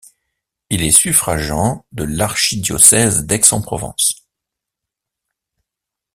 Il est suffragant de l'archidiocèse d'Aix-en-Provence.